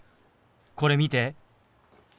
これ見て。